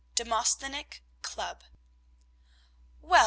DEMOSTHENIC CLUB. "Well!